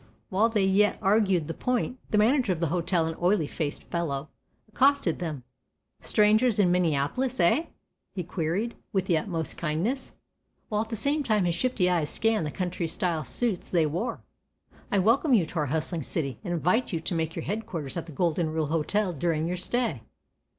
While they yet argued the point, the manager of the hotel, an oily faced fellow, accosted them: "Strangers in Minneapolis, eh?" he queried, with utmost kindness, while at the same time his shifty eyes scanned the country style suits they wore. "I welcome you to our hustling city, and invite you to make your headquarters at the "Golden Rule Hotel" during your stay."